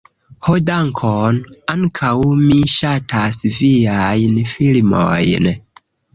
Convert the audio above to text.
Ho dankon! ankaŭ mi ŝatas viajn filmojn